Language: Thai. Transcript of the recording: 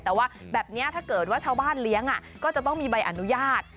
แต่ว่าแบบนี้ถ้าเกิดว่าชาวบ้านเลี้ยงก็จะต้องมีใบอนุญาต